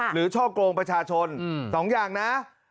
ช่อกงประชาชน๒อย่างนะ